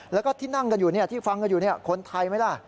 แล้วก็ที่นั่งกันอยู่ที่ฟังกันอยู่คนไทยไหมล่ะ